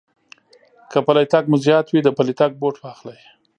که پٔلی تگ مو زيات وي، د پلي تگ بوټ واخلئ.